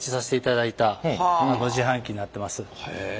へえ。